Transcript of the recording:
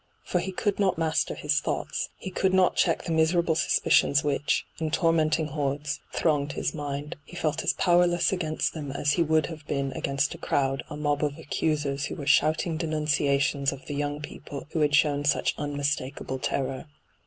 For he could not master his thoughts, he could not check the miserable suspicions whic|i, in tormenting hordes, thronged his mind. He felt as powerless against them as he would have been against a crowd, a mob of accusers who were shouting denunciations of the young people who had shown such unmistakable terror.